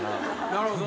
なるほど。